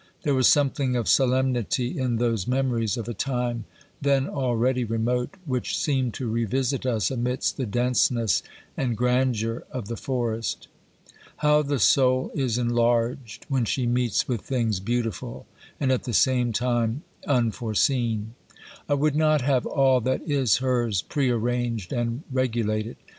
There was something of solemnity in those memories of a time, then already remote, which seemed to revisit us amidst the denseness and grandeur of the, forest. How the soul is enlarged when she meets with things beautiful and at the same time unforeseen ! I would not have all that is hers pre arranged and regulated.